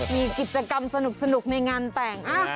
มีกิจกรรมสนุกในงานแต่ง